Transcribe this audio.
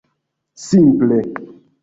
simple